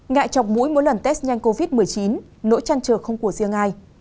ngại chọc mũi mỗi lần test nhanh covid một mươi chín nỗi trăn trở không của riêng ai